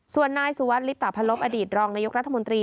ส่วนนายสุวัสดลิปตาพลบอดีตรองนายกรัฐมนตรี